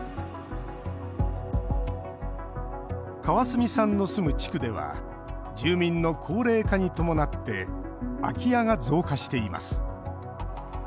川角さんの住む地区では住民の高齢化に伴って空き家が増加しています。